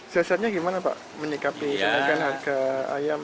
sesarnya gimana pak menikapi kenaikan harga ayam